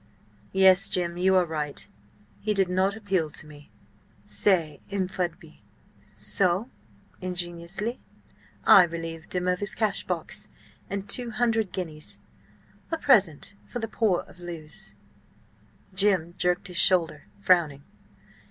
Yes, Jim, you are right–he did not appeal to me, ce M. Fudby. So—" ingenuously, "I relieved him of his cash box and two hundred guineas. A present for the poor of Lewes." Jim jerked his shoulder, frowning.